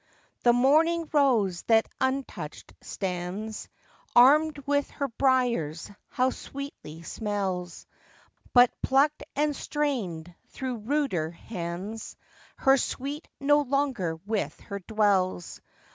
The morning rose that untouch'd stands, Arm'd with her briars, how sweetly smells; But, pluck'd and strain'd through ruder hands, Her sweet no longer with her dwells.